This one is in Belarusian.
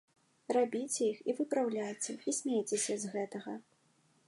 Рабіце іх, і выпраўляйце, і смейцеся з гэтага.